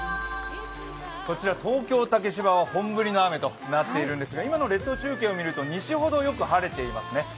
こちら東京竹芝は本降りの雨となっているんですが今の列島中継を見ると西ほどよく晴れていますね。